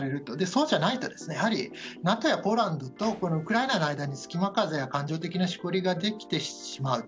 そうじゃないとやはりＮＡＴＯやポーランドとウクライナの間に隙間風や感情的なしこりができてしまう。